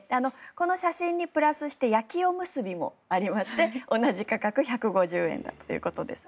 この写真にプラスして焼きおむすびもありまして同じ価格１５０円だということです。